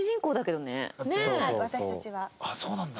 ああそうなんだ。